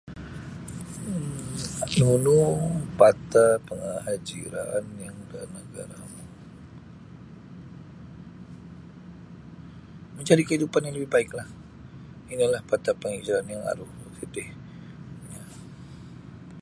um Nunu pata pengahajiraan yang ke negaramu mencari kehidupan yang lebih baiklah ini lah pata penghijraan yang aru nunu tih